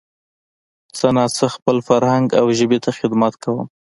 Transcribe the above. څه نا څه خپل فرهنګ او ژبې ته خدمت کومه